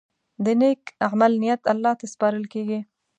د نیک عمل نیت الله ته سپارل کېږي.